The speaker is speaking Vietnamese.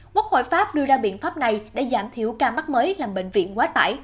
quốc hội pháp đưa ra biện pháp này để giảm thiểu ca mắc mới làm bệnh viện quá tải